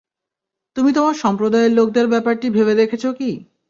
তুমি তোমার সম্প্রদায়ের লোকদের ব্যাপারটি ভেবে দেখেছ কি?